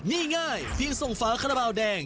นี่ง่ายเพียงส่งฝาคาราบาลแดง